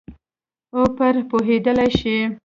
او پرې پوهېدلای شي.